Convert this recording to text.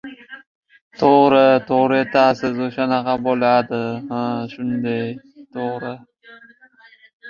Uning talablariga rioya etishni istagan fuqarolar jamiyatning ulkan qismini tashkil etadi